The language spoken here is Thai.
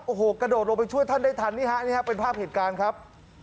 โอ้โหกระโดดลงไปช่วยท่านได้ทันนี่ฮะนี่ครับเป็นภาพเหตุการณ์ครับ